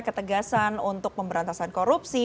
ketegasan untuk pemberantasan korupsi